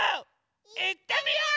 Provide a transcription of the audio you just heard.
いってみよう！